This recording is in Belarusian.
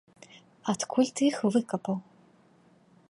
Адкуль ты іх выкапаў?